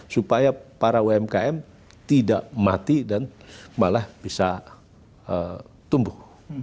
supaya para umkm tidak mati dan malah bisa tumbuh